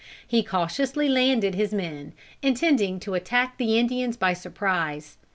He cautiously landed his men, intending to attack the Indians by surprise.